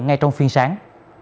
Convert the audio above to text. ngay trong phiên sáng